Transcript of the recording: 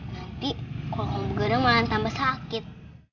nanti kalau kamu bergerak malah tambah sakit